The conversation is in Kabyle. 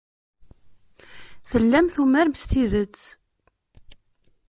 Tellam tumarem s tidet.